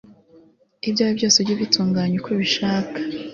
ibyawe byose ujye ubitunganya uko ubishaka